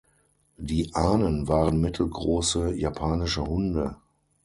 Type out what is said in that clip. Die Ahnen waren mittelgroße japanische Hunde.